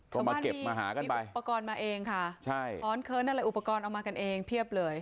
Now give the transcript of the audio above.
สมมติมีอุปกรณ์มาเองค่ะร้อนเคิ้นนั่นแหละอุปกรณ์เอามากันเองเยอะบเลย